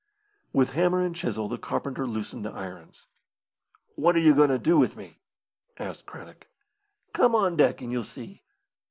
With hammer and chisel the carpenter loosened the irons. "What are you going to do with me?" asked Craddock. "Come on deck and you'll see."